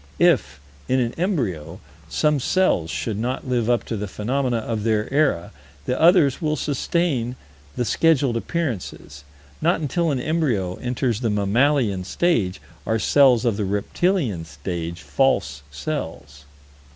If, in an embryo, some cells should not live up to the phenomena of their era, the others will sustain the scheduled appearances. Not until an embryo enters the mammalian stage are cells of the reptilian stage false cells.